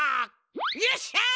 よっしゃ！